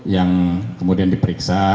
yang kemudian diperiksa